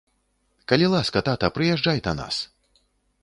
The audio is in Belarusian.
Калі ласка, тата, прыязджай да нас.